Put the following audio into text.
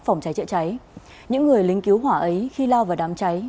phòng cháy chữa cháy những người lính cứu hỏa ấy khi lao vào đám cháy